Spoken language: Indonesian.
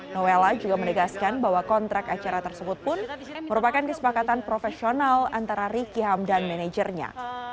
noella juga menegaskan bahwa kontrak acara tersebut pun merupakan kesepakatan profesional antara ricky hamdan manajernya